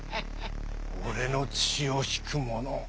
俺の血を引く者。